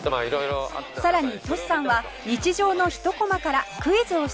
さらにトシさんは日常のひとコマからクイズを出題